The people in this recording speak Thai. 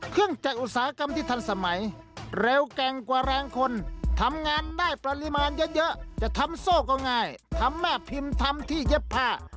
จากอุตสาหกรรมที่ทันสมัยเร็วแกร่งกว่าแรงคนทำงานได้ปริมาณเยอะจะทำโซ่ก็ง่ายทำแม่พิมพ์ทำที่เย็บผ้า